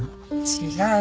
違う。